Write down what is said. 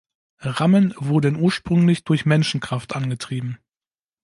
Rammen wurden ursprünglich durch Menschenkraft angetrieben.